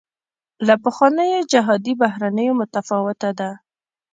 له پخوانیو جهادي بهیرونو متفاوته ده.